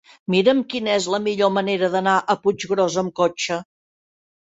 Mira'm quina és la millor manera d'anar a Puiggròs amb cotxe.